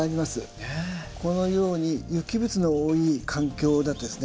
このように有機物の多い環境だとですね